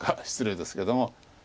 失礼ですけども。